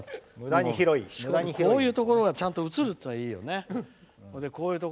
こういうところがちゃんと映るっていうのがいいよね。